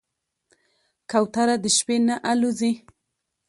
کوتره د شپې نه الوزي.